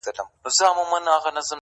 د قاضي مخ ته ولاړ وو لاس تړلى-